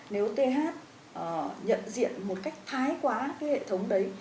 nếu th nhận diện một cách thái quá cái hệ thống đấy